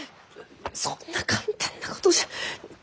そんな簡単なことじゃ。